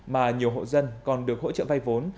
mà nhiều hộ dân còn được hỗ trợ vay vốn